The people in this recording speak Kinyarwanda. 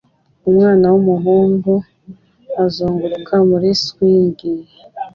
Umwana w'umuhungu azunguruka muri swing